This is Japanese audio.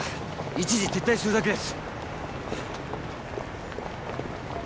一時撤退するだけです。